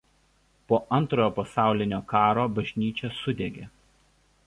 Po Antrojo pasaulinio karo bažnyčia sudegė.